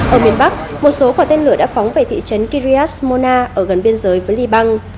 ở miền bắc một số quả tên lửa đã phóng về thị trấn kirias mona ở gần biên giới với liban